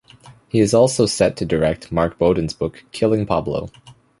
He is also set to direct Mark Bowden's book "Killing Pablo".